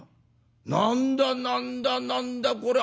何だ何だ何だこりゃ。